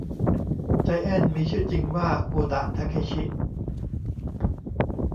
ไจแอนท์มีชื่อจริงว่าโกดะ ทาเคชิ